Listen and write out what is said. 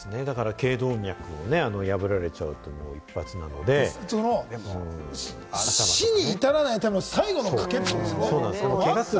頸動脈を破られちゃうと一発死に至らないための最後の賭けですよね。